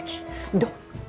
どう？